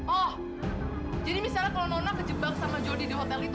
oh jadi misalnya kalau nonak kejebak sama jody di hotel itu